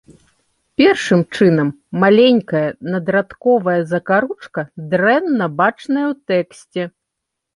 Першым чынам, маленькая надрадковая закаручка дрэнна бачная ў тэксце.